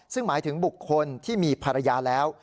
ซึ่งหมายถึงบุคคลที่มีภรรยาแล้ว